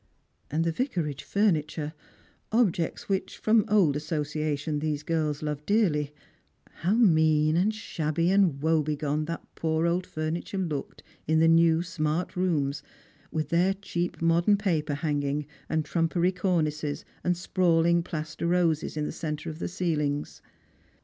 And the Vicarage furniture, objects which, from old associa tion, these girls loved dearly, how mean and shabby and wobe gone that poor old furniture looked in the new smart rooms, with their cheap modern paj^jer hanging, and trumpery cornices, and sprawling plaster roses in the centre of their ceilings